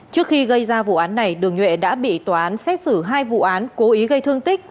trước khi gây ra vụ án này đường nhuệ đã bị tòa án xét xử hai vụ án cố ý gây thương tích